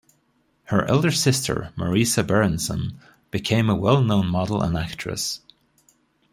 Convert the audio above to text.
Her elder sister, Marisa Berenson, became a well-known model and actress.